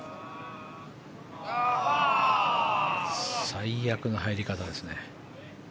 最悪な入り方ですね。